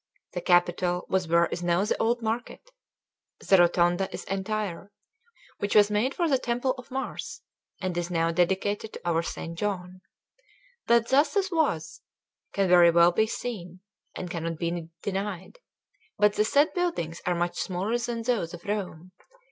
The Capitol was where is now the Old Market. The Rotonda is entire, which was made for the temple of Mars, and is now dedicated to our Saint John. That thus is was, can very well be seen, and cannot be denied, but the said buildings are much smaller than those of Rome.